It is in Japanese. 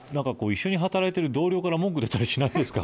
一緒に働いている同僚から文句出たりしないですか。